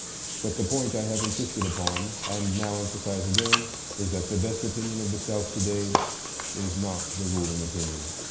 But the point I have insisted upon and now emphasize again, is that the best opinion of the South to day is not the ruling opinion.